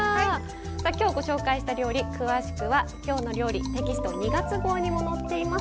さあ今日ご紹介した料理詳しくは「きょうの料理」テキスト２月号にも載っています。